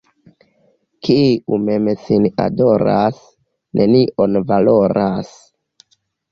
Kiu mem sin adoras, nenion valoras.